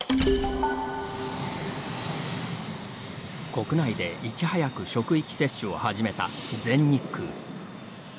国内でいち早く職域接種を始めた全日空。